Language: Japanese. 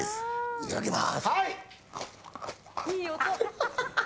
いただきます！